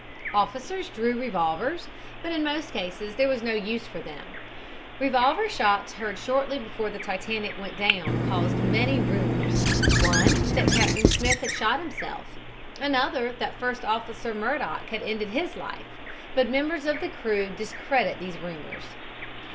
"Officers drew revolvers, but in most cases there was no use for them. Revolver shots heard shortly before the Titanic went down caused many rumors, one that Captain Smith had shot himself, another that First Officer Murdock had ended his life, but members of the crew discredit these rumors.